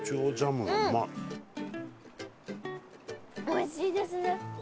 おいしいですね。